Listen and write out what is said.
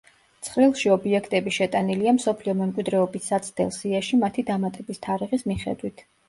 ცხრილში ობიექტები შეტანილია მსოფლიო მემკვიდრეობის საცდელ სიაში მათი დამატების თარიღის მიხედვით.